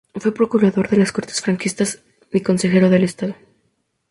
Fue procurador de las Cortes franquistas y consejero de Estado.